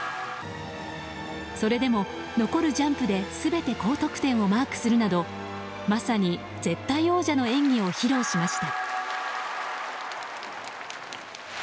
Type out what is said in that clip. それでも、残るジャンプで全て高得点をマークするなどまさに絶対王者の演技を披露しました。